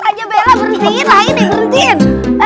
kok tanya bella berhentiin lah ini berhentiin